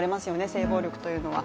性暴力というのは。